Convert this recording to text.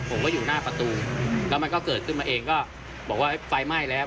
ผมก็อยู่หน้าประตูแล้วมันก็เกิดขึ้นมาเองก็บอกว่าไฟไหม้แล้ว